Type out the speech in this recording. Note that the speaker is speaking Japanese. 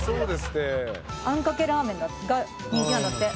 あんかけラーメンが人気あるんだって。